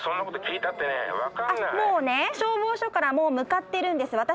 もうね消防署からもう向かってるんです。